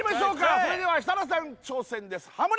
それでは設楽さん挑戦ですハモリ